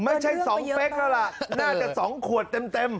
ไม่ใช่๒เป๊กแล้วล่ะ